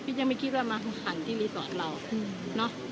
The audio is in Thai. พี่ยังไม่คิดว่ามองหันที่เราอืม